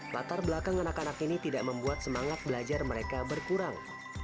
latar belakang anak anak ini tidak membuat semangat belajar mereka berkurang